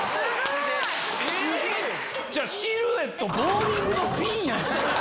シルエットボウリングのピンやん！